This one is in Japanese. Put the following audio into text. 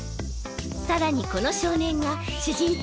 さらにこの少年が主人公・